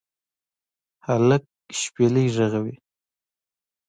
هلک شپیلۍ ږغوي